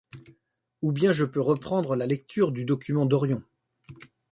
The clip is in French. Ou bien je peux reprendre la lecture du document d’Orion.